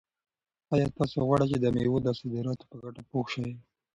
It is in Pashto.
آیا تاسو غواړئ چې د مېوو د صادراتو په ګټه پوه شئ؟